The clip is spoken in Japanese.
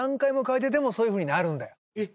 えっ？